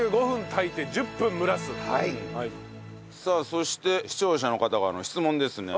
そして視聴者の方からの質問ですね。